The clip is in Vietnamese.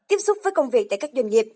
tiếp xúc với công việc tại các doanh nghiệp